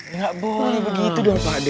enggak boleh begitu dong pak de